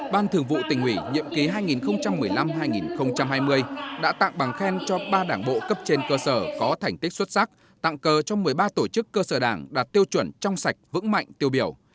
ban thường vụ tỉnh ủy nhiệm ký hai nghìn một mươi năm hai nghìn hai mươi đã tặng bằng khen cho ba đảng bộ cấp trên cơ sở có thành tích xuất sắc tặng cờ cho một mươi ba tổ chức cơ sở đảng đạt tiêu chuẩn trong sạch vững mạnh tiêu biểu